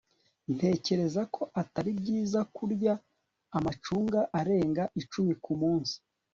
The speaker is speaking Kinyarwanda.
ntekereza ko atari byiza kurya amacunga arenga icumi kumunsi